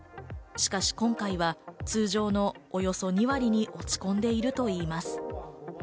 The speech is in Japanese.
しかし今回は通常のおよそ２割に落ち込んでいるといいます。